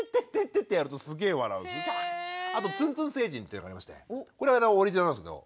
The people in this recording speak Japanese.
あとつんつん星人っていうのがありましてこれはオリジナルなんですけど。